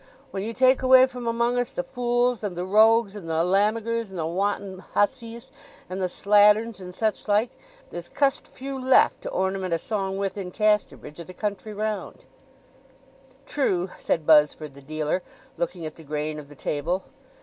"When you take away from among us the fools and the rogues, and the lammigers, and the wanton hussies, and the slatterns, and such like, there's cust few left to ornament a song with in Casterbridge, or the country round." "True," said Buzzford, the dealer, looking at the grain of the table.